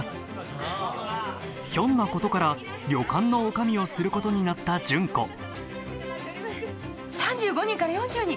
ひょんなことから旅館の女将をすることになった純子３５人から４０人？